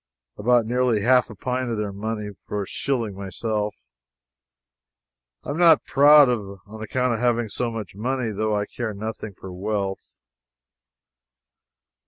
I bought nearly half a pint of their money for a shilling myself. I am not proud on account of having so much money, though. I care nothing for wealth.